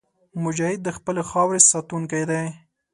مجاهد د خپلې خاورې ساتونکی دی.